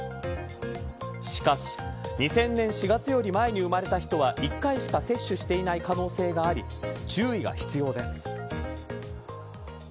しかし２０００年４月より前に生まれた人は１回しか接種してない可能性があり注意が必要です。